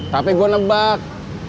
tapi gua nebak